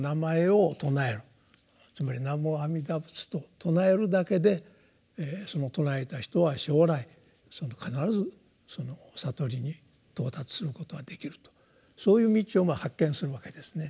つまり「南無阿弥陀仏」と称えるだけでその称えた人は将来必ずその悟りに到達することができるとそういう道を発見するわけですね。